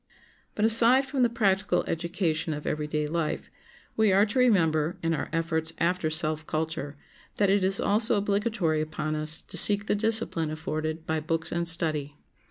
But aside from the practical education of everyday life we are to remember, in our efforts after self culture, that it is also obligatory upon us to seek the discipline afforded by books and study.